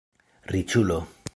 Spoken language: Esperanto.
riĉulo